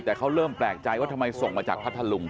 แต่เขาเริ่มแปลกใจว่าทำไมส่งมาจากพัทธลุง